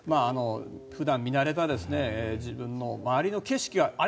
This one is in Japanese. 普段見慣れた自分の周りの景色があれ？